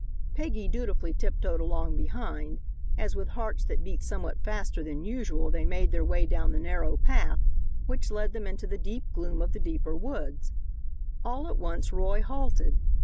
Peggy dutifully tiptoed along behind, as with hearts that beat somewhat faster than usual they made their way down the narrow path which led them into the deep gloom of the deeper woods. All at once Roy halted.